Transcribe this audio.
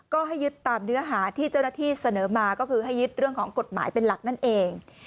ก็ให้ยึดตามเนื้อหาที่เจ้าหน้าที่เสนอมาก็คือให้ยึดเรื่องของกฎหมายเป็นหลักนั่นเอง